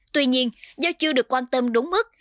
tuy nhiên do chưa được quan tâm đúng mức